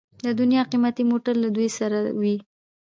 د دنیا قیمتي موټر له دوی سره وي.